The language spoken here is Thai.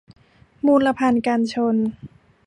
มูลภัณฑ์กันชน